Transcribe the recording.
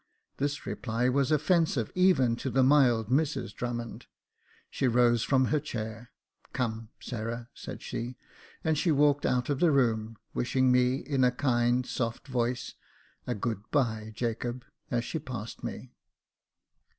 This reply was offensive even to the mild Mrs Drummond. She rose from her chair. " Come, Sarah," said she : and she walked out of the room, wishing me, in a kind, soft voice, a " good bye, Jacob," as she passed me.